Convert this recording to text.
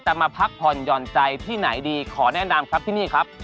ตามแอฟผู้ชมห้องน้ำด้านนอกกันเลยดีกว่าครับ